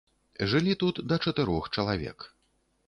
Жылі тут да чатырох чалавек.